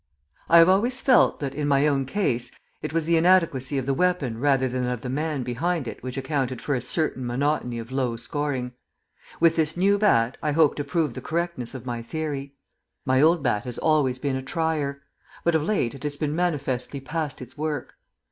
I have always felt that, in my own case, it was the inadequacy of the weapon rather than of the man behind it which accounted for a certain monotony of low scoring; with this new bat I hope to prove the correctness of my theory. My old bat has always been a trier, but of late it has been manifestly past its work.